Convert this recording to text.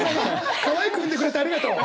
かわいく産んでくれてありがとう。